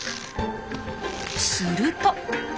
すると。